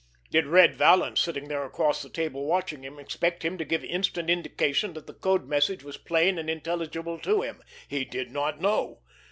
Did Red Vallon, sitting there across the table watching him, expect him to give instant indication that the code message was plain and intelligible to him? He did not know.